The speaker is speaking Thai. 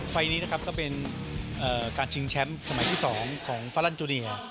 ไฟล์นี้นะครับก็เป็นการชิงแชมป์สมัยที่๒ของฟาลันจูเนีย